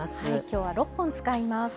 今日は６本使います。